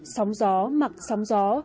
sóng gió mặc sóng gió